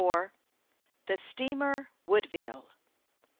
THE STEAMER WOODVILLE.